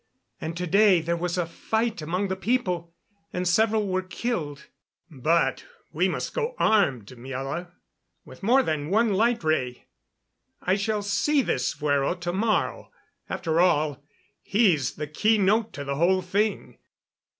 And to day there was a fight among the people, and several were killed." "But we must go armed, Miela, with more than one light ray. I shall see this Fuero to morrow. After all, he's the key note to the whole thing."